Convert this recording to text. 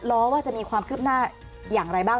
ว่าจะมีความคืบหน้าอย่างไรบ้าง